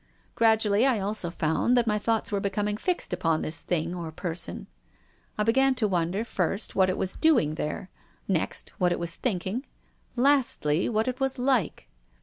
" Gradually, I also found that my thoughts were becoming fixed upon this thing or person. 1 began to wonder, first, what it was doing there; ne.xt,what it was thinking; lastly, what it was like."